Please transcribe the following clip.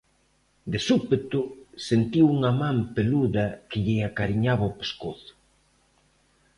De súpeto sentiu unha man peluda que lle acariñaba o pescozo.